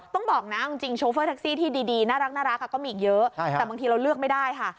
ต้องบอกนะจริงโชเฟอร์แท็กซี่ที่ดีน่ารักก็มีอีกเยอะแต่บางทีเราเลือกไม่ได้ค่ะ